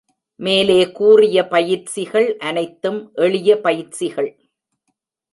மேலே கூறிய பயிற்சிகள் அனைத்தும் எளிய பயிற்சிகள்.